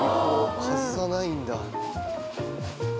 外さないんだ。